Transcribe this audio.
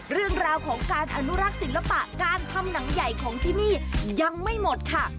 เรื่องราวของการอนุรักษ์ศิลปะการทำหนังใหญ่ของที่นี่ยังไม่หมดค่ะ